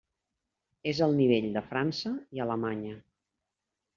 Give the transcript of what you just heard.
És el nivell de França i Alemanya.